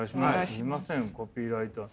すみませんコピーライター。